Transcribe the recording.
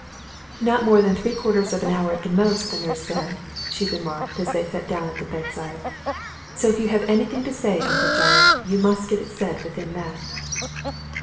"Not more than three quarters of an hour at most, the nurse said," she remarked, as they sat down at the bedside. "So if you have anything to say, Uncle John, you must get it said within that."